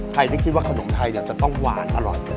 ใครที่คิดว่าขนมไทยจะต้องหวานอร่อย